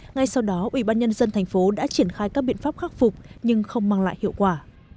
ngay sau đó ubnd tp đã triển khai các biện pháp khắc phục nhưng không mang lại hiệu quả